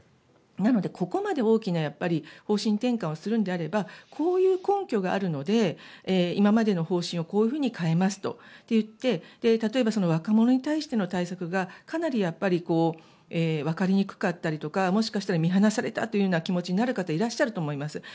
なので、ここまで大きな方針転換をするのであればこういう根拠があるので今までの方針をこういうふうに変えますと言って例えば、若者に対しての対策がかなりわかりにくかったりとかもしかしたら見放されたという気持ちになる方もいらっしゃると思います。